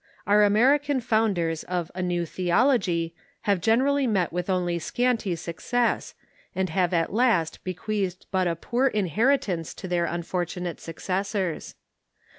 Our American founders of a "new theology" have generally met Avith only scanty success, and have at last bequeathed but a poor inheri tance to their unfortunate successors.